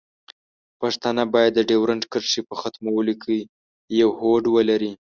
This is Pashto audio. پښتانه باید د ډیورنډ کرښې په ختمولو کې یو هوډ ولري.